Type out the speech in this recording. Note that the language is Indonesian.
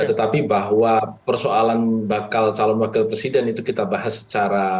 tetapi bahwa persoalan bakal calon wakil presiden itu kita bahas secara